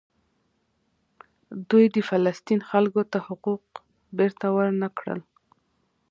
دوی د فلسطین خلکو ته حقوق بیرته ورنکړل.